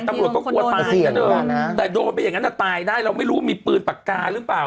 ตำรวจก็กลัวตายเสี่ยงแต่โดนไปอย่างนั้นตายได้เราไม่รู้ว่ามีปืนปากกาหรือเปล่า